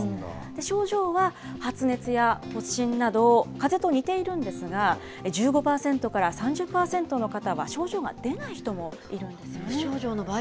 症状は、発熱や発疹など、かぜと似ているんですが、１５％から３０％の方は症状が出ない人もいるんですよね。